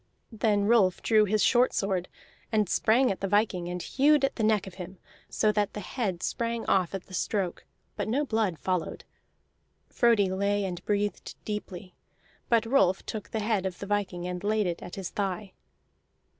Then Rolf drew his short sword, and sprang in at the viking, and hewed at the neck of him, so that the head sprang off at the stroke; but no blood followed. Frodi lay and breathed deeply, but Rolf took the head of the viking and laid it at his thigh.